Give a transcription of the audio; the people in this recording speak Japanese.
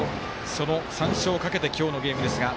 その３勝をかけて今日のゲームですが。